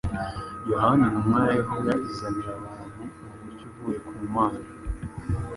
Yohana, intumwa ya Yehoya izanira abantu umucyo uvuye ku Mana.